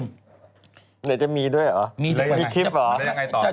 เดี๋ยวจะมีด้วยเหรอมีคลิปเหรอ